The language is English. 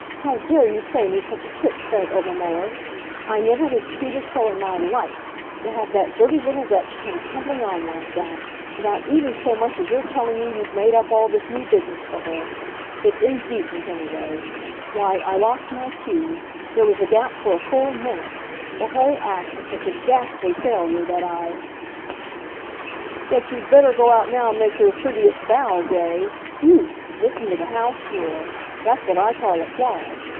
How dare you play me such a trick, Fred Obermuller? I never was treated so in my life to have that dirty little wretch come tumbling on like that, without even so much as your telling me you'd made up all this new business for her! It's indecent, anyway. Why, I lost my cue. There was a gap for a full minute. The whole act was such a ghastly failure that I " "That you'd better go out now and make your prettiest bow, Gray. Phew! Listen to the house roar. That's what I call applause.